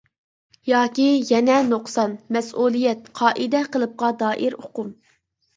ياكى يەنە نۇقسان، مەسئۇلىيەت، قائىدە-قېلىپقا دائىر ئۇقۇم.